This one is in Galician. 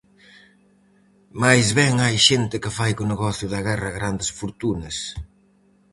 Máis ben hai xente que fai co negocio da guerra grandes fortunas.